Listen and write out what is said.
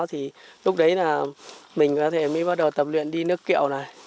thì lúc đấy là mình có thể mới bắt đầu tập luyện đi nước kiệu này